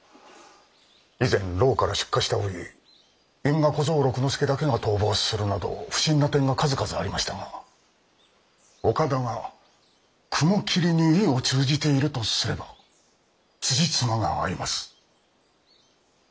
以前牢から出火した折因果小僧六之助だけが逃亡するなど不審な点が数々ありましたが岡田が雲霧に意を通じているとすれば辻褄が合います。